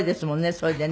それでね。